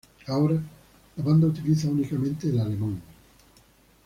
Ahora la banda utiliza únicamente el alemán.